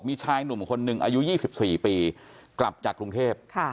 มีชายหนุ่มคนหนึ่งอายุยี่สิบสี่ปีกลับจากกรุงเทพฯ